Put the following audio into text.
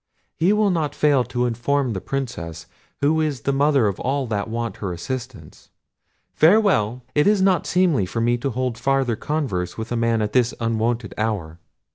He will not fail to inform the Princess, who is the mother of all that want her assistance. Farewell; it is not seemly for me to hold farther converse with a man at this unwonted hour."